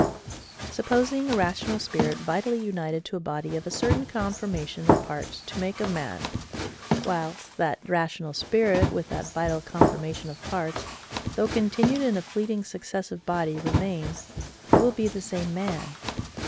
Supposing a rational spirit vitally united to a body of a certain conformation of parts to make a man; whilst that rational spirit, with that vital conformation of parts, though continued in a fleeting successive body, remains, it will be the SAME MAN.